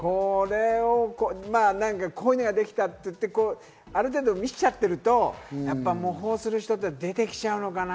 こういうのができたと言ってある程度見せちゃってると模倣する人って出てきちゃうのかな？